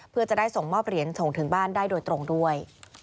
เพื่อจะได้ส่งมอบเหรียญส่งถึงบ้านได้โดยตรงด้วย